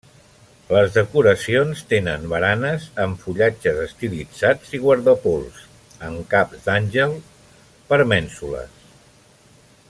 Les decoracions tenen baranes amb fullatges estilitzats i guardapols, amb caps d'àngels per mènsules.